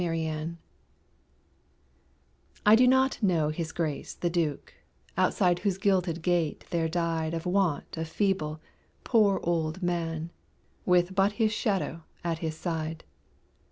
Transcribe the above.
WHO I KNOW I do not know his grace the Duke, Outside whose gilded gate there died Of want a feeble, poor old man, With but his shadow at his side.